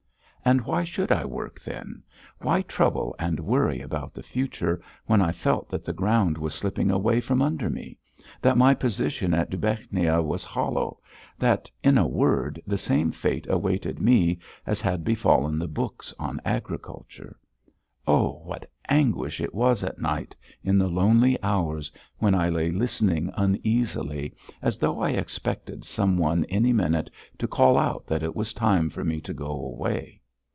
And why should I work, then? Why trouble and worry about the future, when I felt that the ground was slipping away from under me, that my position at Dubechnia was hollow, that, in a word, the same fate awaited me as had befallen the books on agriculture? Oh! what anguish it was at night, in the lonely hours, when I lay listening uneasily, as though I expected some one any minute to call out that it was time for me to go away.